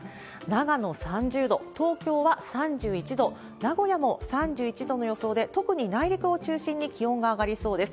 長野３０度、東京は３１度、名古屋も３１度の予想で、特に内陸を中心に気温が上がりそうです。